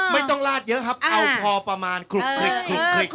ไม่ต้องลาดเยอะครับเอาพอประมาณคลุก